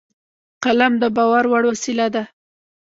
قلم د باور وړ وسیله ده